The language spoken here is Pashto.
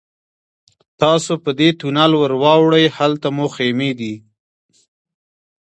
تاسو په دې تونل ورواوړئ هلته مو خیمې دي.